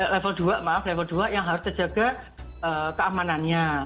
level dua maaf level dua yang harus terjaga keamanannya